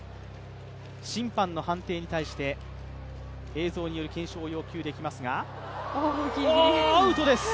審判の判定に対して、映像による検証を要求できますがアウトです。